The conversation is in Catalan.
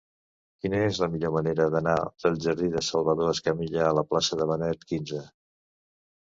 Quina és la millor manera d'anar del jardí de Salvador Escamilla a la plaça de Benet XV?